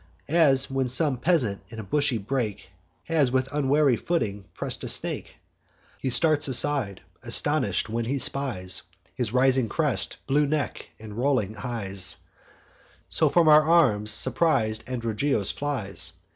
As when some peasant, in a bushy brake, Has with unwary footing press'd a snake; He starts aside, astonish'd, when he spies His rising crest, blue neck, and rolling eyes; So from our arms surpris'd Androgeos flies.